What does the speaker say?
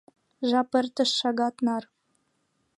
Жап эртыш шагат нар.